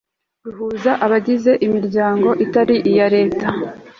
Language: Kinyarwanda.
ruhuza abagize imiryango itari iya leta